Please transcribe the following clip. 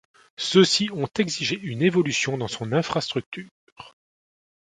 Ceux-ci ont exigé une évolution dans son infrastructure.